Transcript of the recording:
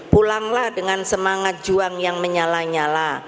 pulanglah dengan semangat juang yang menyala nyala